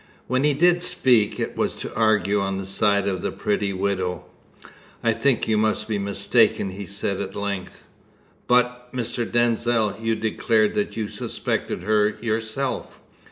When he did speak, it was to argue on the side of the pretty widow. "I think you must be mistaken," he said at length. "But, Mr. Denzil, you declared that you suspected her yourself!"